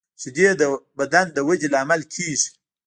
شیدې د بدن د ودې لامل کېږي